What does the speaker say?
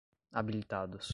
habilitados